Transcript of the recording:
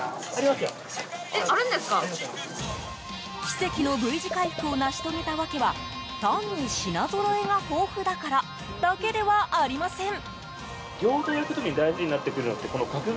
奇跡のＶ字回復を成し遂げた訳は単に品ぞろえが豊富だからだけではありません。